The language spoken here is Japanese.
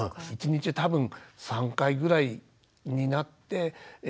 １日多分３回ぐらいになって次第に２回。